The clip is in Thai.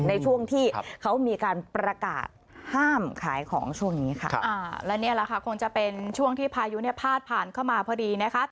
ในช่วงที่เขามีการประกาศห้ามขายของช่วงนี้ค่ะอ่าและนี่แหละค่ะคงจะเป็นช่วงที่พายุเนี่ยพาดผ่านเข้ามาพอดีนะคะ